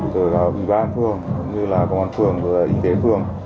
từ bì bán phương công an phương y tế phương